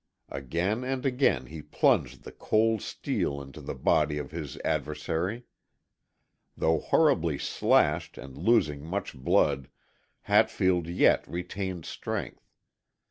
Again and again he plunged the cold steel into the body of his adversary. Though horribly slashed and losing much blood, Hatfield yet retained strength.